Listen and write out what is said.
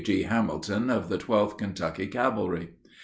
G. Hamilton, of the 12th Kentucky Cavalry.